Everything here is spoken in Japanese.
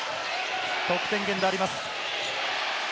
得点源であります。